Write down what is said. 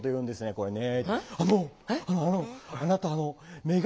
これね。